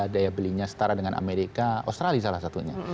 daya belinya setara dengan amerika australia salah satunya